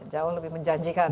jauh lebih menjanjikan